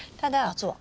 夏は？